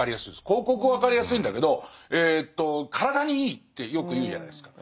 広告は分かりやすいんだけど「体にいい」ってよく言うじゃないですか。